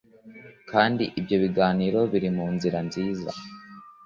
kandi ibyo biganiro biri mu nzira nziza”